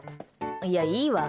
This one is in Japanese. いや、いいわ。